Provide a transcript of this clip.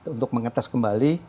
untuk mengetes kembali